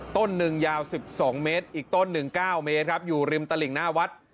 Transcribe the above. ต้นหนึ่งยาว๑๒เมตรอีกต้นหนึ่ง๙เมตรครับอยู่ริมตลิ่งหน้าวัด